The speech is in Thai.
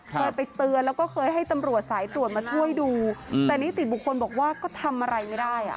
เคยไปเตือนแล้วก็เคยให้ตำรวจสายตรวจมาช่วยดูแต่นิติบุคคลบอกว่าก็ทำอะไรไม่ได้อ่ะ